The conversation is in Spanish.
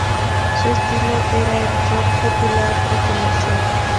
Su estilo era el "rock popular" o "comercial".